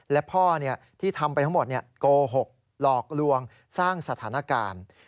และพ่อที่ทำไปทั้งหมดโกหกหลอกลวงสร้างสถานการณ์